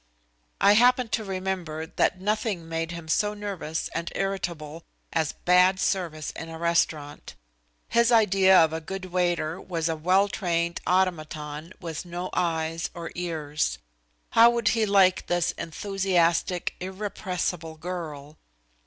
I happened to remember that nothing made him so nervous and irritable as bad service in a restaurant. His idea of a good waiter was a well trained automaton with no eyes or ears. How would he like this enthusiastic, irrepressible girl?